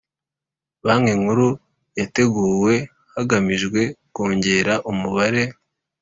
Banki Nkuru yateguwe hagamijwe kongera umubare